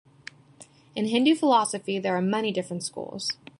In Hindu philosophy, there are many different schools.